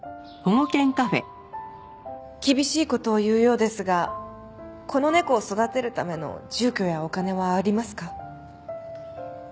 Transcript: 厳しい事を言うようですがこの猫を育てるための住居やお金はありますか？